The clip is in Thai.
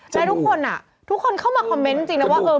แล้วทุกคนอ่ะทุกคนเข้ามาคอมเมนต์จริงแล้วว่าเออเหมือน